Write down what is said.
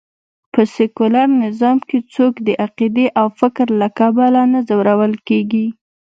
په سکیولر نظام کې څوک د عقېدې او فکر له کبله نه ځورول کېږي